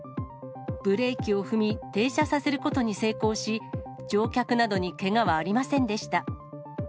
ブレーキを踏み、停車させることに成功し、乗客などにけがはありませんでした。